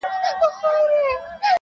o شیخ ته ورکوي شراب کشیش ته د زمزمو جام,